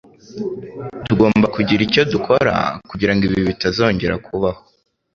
Tugomba kugira icyo dukora kugirango ibi bitazongera kubaho.